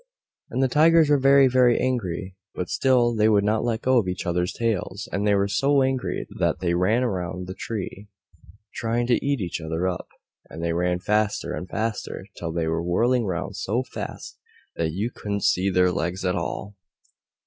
And the Tigers were very, very angry, but still they would not let go of each other's tails. And they were so angry, that they ran round the tree, trying to eat each other up, and they ran faster and faster, till they were whirling round so fast that you couldn't see their legs at all.